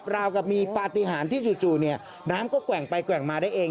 ราวกับมีปฏิหารที่จู่เนี่ยน้ำก็แกว่งไปแกว่งมาได้เอง